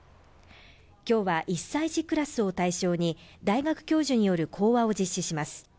今日は１歳児クラスを対象に大学教授による講話を実施します